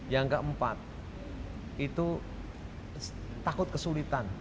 yang keempat itu takut kesulitan